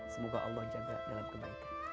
semoga allah jaga dalam kebaikan